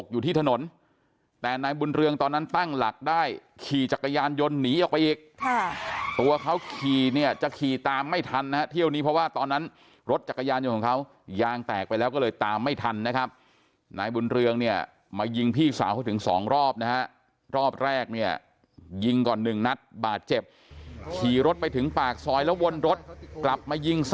อยู่ที่ถนนแต่นายบุญเรืองตอนนั้นตั้งหลักได้ขี่จักรยานยนต์หนีออกไปอีกค่ะตัวเขาขี่เนี่ยจะขี่ตามไม่ทันนะฮะเที่ยวนี้เพราะว่าตอนนั้นรถจักรยานยนต์ของเขายางแตกไปแล้วก็เลยตามไม่ทันนะครับนายบุญเรืองเนี่ยมายิงพี่สาวเขาถึงสองรอบนะฮะรอบแรกเนี่ยยิงก่อนหนึ่งนัดบาดเจ็บขี่รถไปถึงปากซอยแล้ววนรถกลับมายิงส